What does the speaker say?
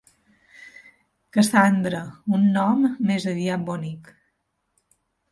Cassandra; un nom més aviat bonic.